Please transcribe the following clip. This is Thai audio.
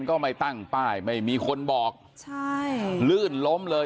ก็ไม่ตั้งป้ายไม่มีคนบอกใช่ลื่นล้มเลย